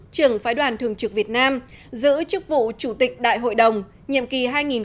trưởng phái đoàn thường trực việt nam giữ chức vụ chủ tịch đại hội đồng nhiệm kỳ hai nghìn một mươi tám hai nghìn một mươi chín